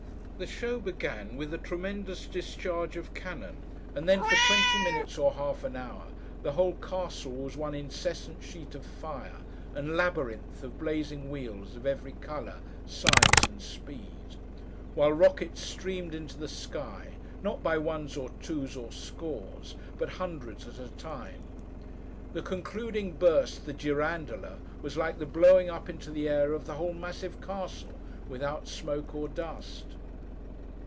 The show began with a tremendous discharge of cannon; and then, for twenty minutes or half an hour, the whole castle was one incessant sheet of fire, and labyrinth of blazing wheels of every colour, size, and speed: while rockets streamed into the sky, not by ones or twos, or scores, but hundreds at a time. The concluding burst—the Girandola—was like the blowing up into the air of the whole massive castle, without smoke or dust.